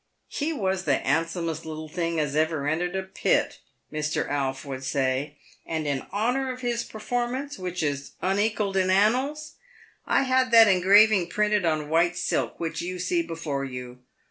" He was the 'andsomest little thing as ever entered a pit," Mr. Alf would say, "and in honour of his performance — which is un ekalled in annals— I had that engraving printed on white silk, which you see before you.